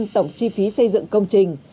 tổng chi phí xây dựng công trình